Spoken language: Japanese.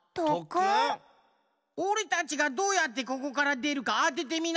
おれたちがどうやってここからでるかあててみな！